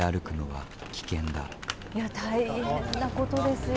いや大変なことですよ